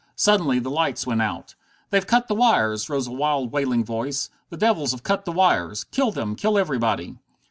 Suddenly the lights went out. "They've cut the wires!" rose a wild, wailing voice. "The devils have cut the wires! Kill them! Kill everybody!"